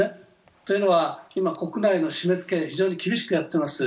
というのは、今、国内の締めつけを非常に厳しくやっています。